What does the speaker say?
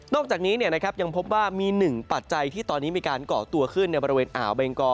อกจากนี้ยังพบว่ามีหนึ่งปัจจัยที่ตอนนี้มีการเกาะตัวขึ้นในบริเวณอ่าวเบงกอ